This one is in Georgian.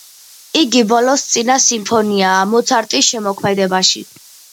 იგი ბოლოს წინა სიმფონიაა მოცარტის შემოქმედებაში.